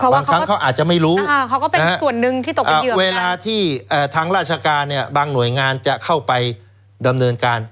บางครั้งเขาอาจจะไม่รู้เวลาที่ทางราชการบางหน่วยงานจะเข้าไปดำเนินการ